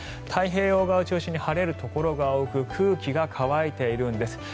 太平洋側を中心に晴れるところが多く空気が乾いているんです。